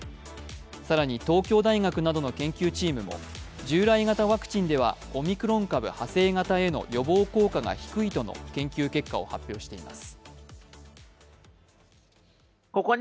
更に東京大学などの研究チームも従来型ワクチンではオミクロン株派生型への予防効果が低いとの研究結果を発表しています。